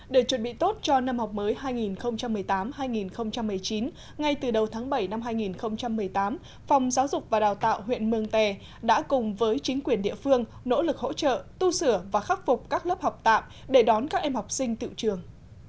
để chuẩn bị tốt cho năm học mới hai nghìn một mươi tám hai nghìn một mươi chín ngay từ đầu tháng bảy năm hai nghìn một mươi tám phòng giáo dục và đào tạo huyện mường tè đã cùng với chính quyền địa phương nỗ lực hỗ trợ tu sửa và khắc phục các lớp học tạm để đón các em học sinh tự trường